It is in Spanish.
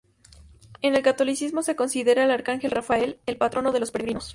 En el catolicismo, se considera al arcángel Rafael el patrono de los peregrinos.